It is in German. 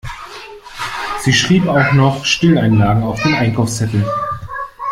Sie schrieb auch noch Stilleinlagen auf den Einkaufszettel.